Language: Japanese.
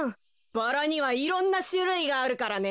バラにはいろんなしゅるいがあるからね。